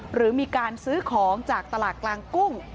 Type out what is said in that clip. หรือมีการซื้อของจากตลาดกลางกุ้ง